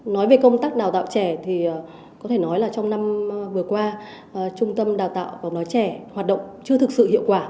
nói về công tác đào tạo trẻ thì có thể nói là trong năm vừa qua trung tâm đào tạo bóng đá trẻ hoạt động chưa thực sự hiệu quả